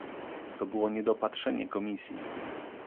To było niedopatrzenie Komisji